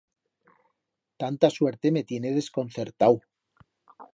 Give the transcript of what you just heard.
Tanta suerte me tiene desconcertau.